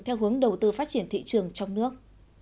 theo hướng đầu tư phát triển thị trường trong nước